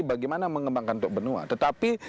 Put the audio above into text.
bagaimana mengembangkan tok benua tetapi